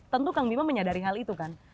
tentu kang bima menyadari hal itu kan